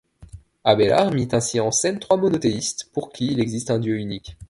Abélard mit ainsi en scène trois monothéistes, pour qui il existe un Dieu unique.